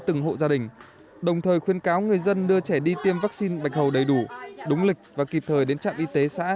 từng hộ gia đình đồng thời khuyên cáo cho nhân viên y tế đồng thời khuyên cáo cho nhân viên y tế